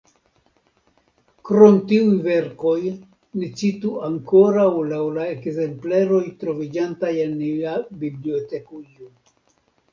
Krom tiuj verkoj ni citu ankoraŭ laŭ la ekzempleroj troviĝantaj en nia bibliotekujo.